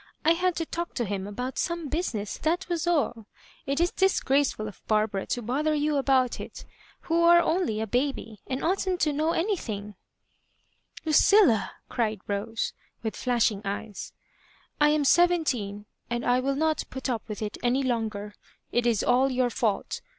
I had to talk to him about some— business ; that was all It is disgraceful of Barbara to botlier you about it, who are only a baby, and oughtn't to know anything." "LuctUa!" cried Rose, with flashing eyes, "I Digitized by VjOOQIC 122 loss HABJOBIBAinca am seventeen, and I will not put up with it any longer. It ia all jour fault.